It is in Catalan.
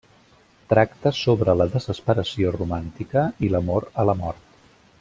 Tracta sobre la desesperació romàntica i l'amor a la mort.